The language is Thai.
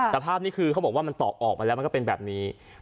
แต่ภาพนี้คือเขาบอกว่ามันต่อออกมาแล้วมันก็เป็นแบบนี้